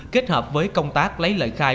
kết hợp với công tác lấy lời khai